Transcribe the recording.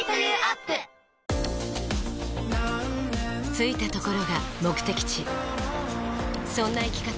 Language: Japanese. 着いたところが目的地そんな生き方